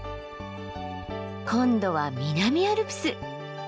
今度は南アルプス。